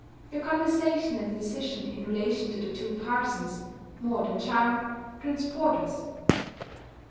Your conversation and decision in relation to the two parsons (more than charm) transport us.